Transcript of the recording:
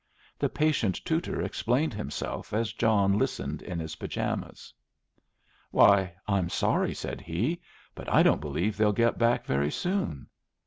The patient tutor explained himself as John listened in his pyjamas. "Why, I'm sorry," said he, "but I don't believe they'll get back very soon."